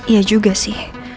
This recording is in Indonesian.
iya juga sih